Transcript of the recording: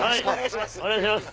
お願いします！